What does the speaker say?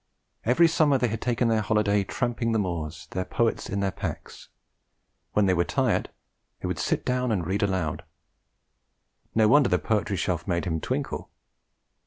Every summer they had taken their holiday tramping the moors, their poets in their pack: 'when we were tired we would sit down and read aloud.' No wonder the Poetry Shelf made him twinkle!